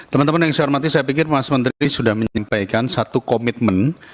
teman teman yang saya hormati saya pikir mas menteri sudah menyampaikan satu komitmen